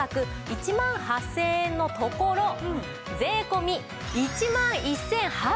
１万８０００円のところ税込１万１８００円です。